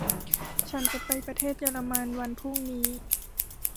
ฉันจะไปประเทศเยอรมันวันพรุ่งนี้